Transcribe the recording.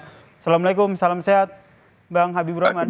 assalamualaikum salam sehat bang habibur rahman